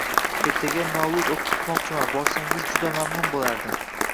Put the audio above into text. Ertaga mavllud o'qitmoqchiman, borsangiz juda mamnun bo'lardim.